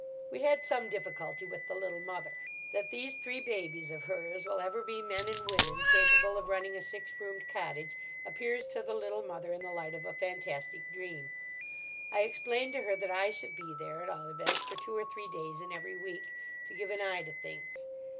We had some difficulty with the Little Mother. That these three babies of hers will ever be men and women capable of running a six roomed cottage appears to the Little Mother in the light of a fantastic dream. I explained to her that I should be there, at all events for two or three days in every week, to give an eye to things.